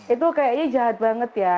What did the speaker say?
itu kayaknya jahat banget ya